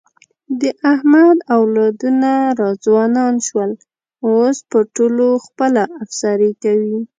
د احمد اولادونه را ځوانان شول، اوس په ټولو خپله افسري کوي.